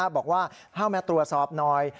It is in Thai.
บอกว่าให้มาตรวจสอบหน่อย